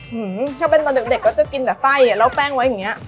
ถ้าเป็นตอนเด็กก็จะกินแต่ไส้แล้วแป้งไว้อย่างนี้